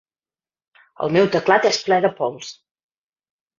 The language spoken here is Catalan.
El meu teclat és ple de pols.